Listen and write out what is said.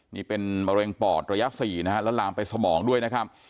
นี่เป็นมะเร็งปอดระยะ๔นะฮะแล้วลามไปสมองด้วยนะครับ